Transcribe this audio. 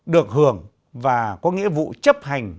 được hưởng và có nghĩa vụ chấp hành